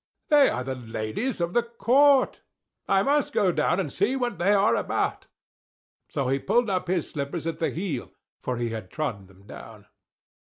"They are the ladies of the court; I must go down and see what they are about!" So he pulled up his slippers at the heel, for he had trodden them down.